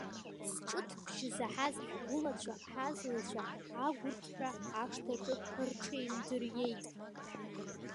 Сҿыҭбжьы заҳаз ҳгәылацәа-ҳазлацәа агәырқьҳәа ашҭаҿы рҽеиндыриеит.